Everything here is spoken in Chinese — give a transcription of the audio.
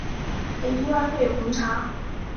很意外会有红茶